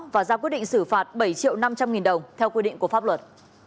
và ra quyết định xử phạt bảy triệu năm trăm linh nghìn đồng theo quy định của pháp luật